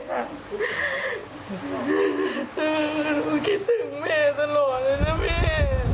ตื่อหนูคิดถึงแม่ตลอดนะเย็น